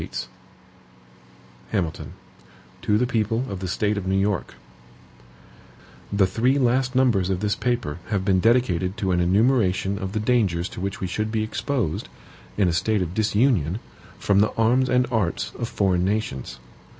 Wednesday, November 14, 1787 HAMILTON To the People of the State of New York: THE three last numbers of this paper have been dedicated to an enumeration of the dangers to which we should be exposed, in a state of disunion, from the arms and arts of foreign nations.